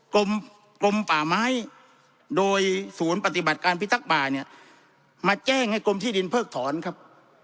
กรมป่าไม้โดยศูนย์ปฏิบัติการพิทักษ์ป่าเนี่ยมาแจ้งให้กรมที่ดินเพิกถอนครับ